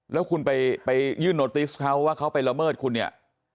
แล้วคุณไปยื่นโนติสเขาว่าเขาไปละเมิดคุณเนี่ย